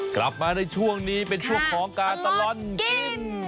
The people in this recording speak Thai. กลับมาในช่วงนี้เป็นช่วงของการตลอดกิน